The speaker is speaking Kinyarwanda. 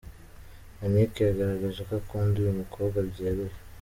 Yannick yagaragaje ko akunda uyu mukobwa byeruye.